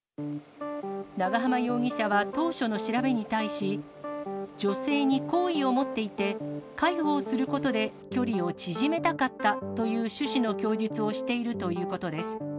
長浜容疑者は当初の調べに対し、女性に好意を持っていて、介抱することで距離を縮めたかったという趣旨の供述をしているということです。